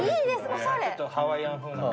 おしゃれ。